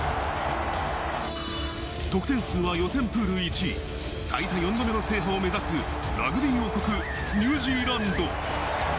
得点数は予選プール１位、最多４度目の制覇を目指す、ラグビー王国・ニュージーランド。